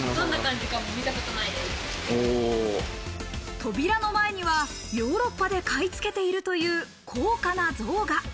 扉の前にはヨーロッパで買い付けているという高価な像が。